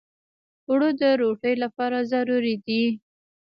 اوړه د روتۍ لپاره ضروري دي